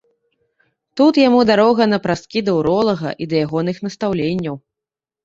Тут яму дарога напрасткі да ўролага і да ягоных настаўленняў.